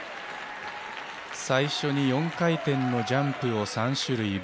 最初に４回転のジャンプを３種類。